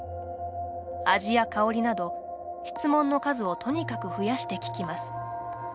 味や香りなど、質問の数をとにかく増やして聞きます。